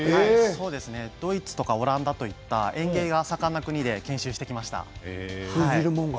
ドイツやオランダといった園芸が盛んな国で研修してきました。